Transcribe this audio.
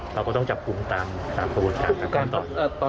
เราก็ต้องจับภูมิตามการคำตอบ